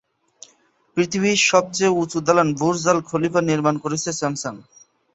পৃথিবীর সবচেয়ে উচু দালান বুর্জ আল খলিফা নির্মাণ করেছে স্যামসাং।